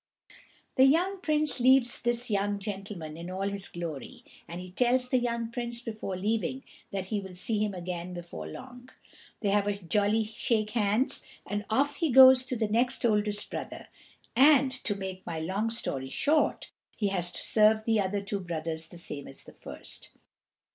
The young Prince leaves this young gentleman in all his glory, and he tells the young Prince before leaving that he will see him again before long. They have a jolly shake hands, and off he goes to the next oldest brother; and, to make my long story short, he has to serve the other two brothers the same as the first.